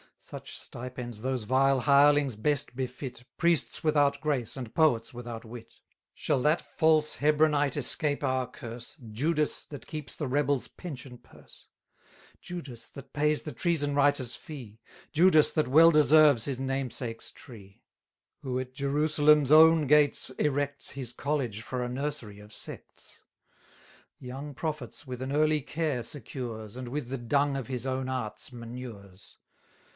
Such stipends those vile hirelings best befit, 318 Priests without grace, and poets without wit. Shall that false Hebronite escape our curse, Judas, that keeps the rebels' pension purse; Judas, that pays the treason writer's fee, Judas, that well deserves his namesake's tree; Who at Jerusalem's own gates erects His college for a nursery of sects; Young prophets with an early care secures, And with the dung of his own arts manures!